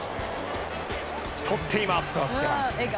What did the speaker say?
とっています。